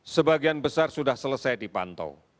sebagian besar sudah selesai dipantau